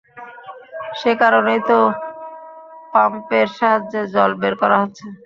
সেকারণেই তো পাম্পের সাহায্যে জল বের করা হচ্ছে।